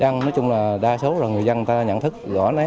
dân nói chung là đa số là người dân ta nhận thức rõ nét